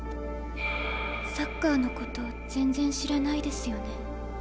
サッカーのこと全然知らないですよね。